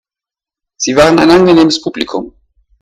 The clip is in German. Sie waren ein angenehmes Publikum.